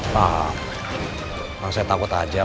tahaah makasih takut aja si om